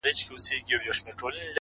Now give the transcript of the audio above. ملالو پيغلو دا وطن له پرنګي وساتئ